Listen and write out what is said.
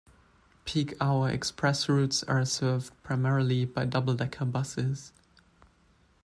Peak hour express routes are served primary by Double Decker buses.